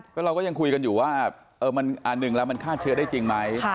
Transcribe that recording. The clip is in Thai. ก็เราก็ยังคุยกันอยู่ว่าหนึ่งแล้วมันฆ่าเชื้อได้จริงไหม